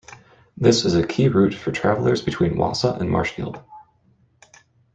This is a key route for travelers between Wausau and Marshfield.